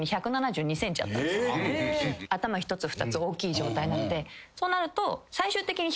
頭一つ二つ大きい状態なのでそうなると。